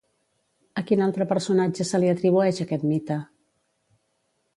A quin altre personatge se li atribueix aquest mite?